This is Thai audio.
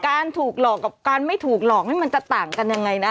ถูกหลอกกับการไม่ถูกหลอกนี่มันจะต่างกันยังไงนะ